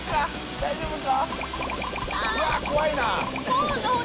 大丈夫か？